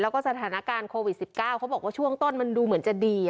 แล้วก็สถานการณ์โควิด๑๙เขาบอกว่าช่วงต้นมันดูเหมือนจะดี